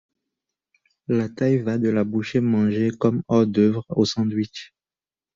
La taille va de la bouchée mangée comme hors-d’œuvre au sandwich.